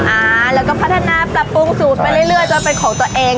อ่าแล้วก็พัฒนาปรับปรุงสูตรไปเรื่อยจนเป็นของตัวเอง